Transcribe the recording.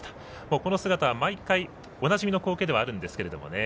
この姿は毎回、おなじみの光景ではあるんですけどもね。